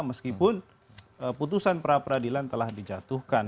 meskipun putusan perapradilan telah dijatuhkan